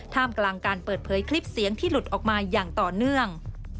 กลางการเปิดเผยคลิปเสียงที่หลุดออกมาอย่างต่อเนื่อง